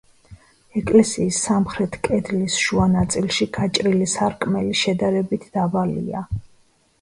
ეკლესიის სამხრეთ კედლის შუა ნაწილში გაჭრილი სარკმელი შედარებით დაბალია.